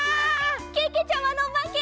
けけちゃまのまけ！